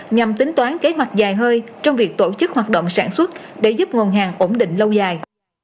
nhằm tính toán kế hoạch dài hơi trong việc tổ chức hoạt động sản xuất để giúp nguồn hàng ổn định lâu dài